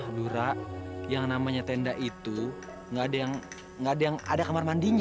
aduh ra yang namanya tenda itu gak ada yang ada kamar mandinya